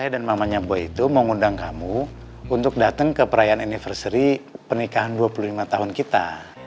saya dan mamanya boy itu mengundang kamu untuk datang ke perayaan anniversary pernikahan dua puluh lima tahun kita